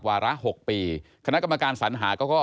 วาระ๖ปีคณะกรรมการสัญหาก็